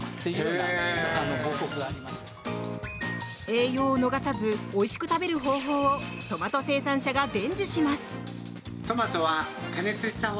栄養を逃さずおいしく食べる方法をトマト生産者が伝授します。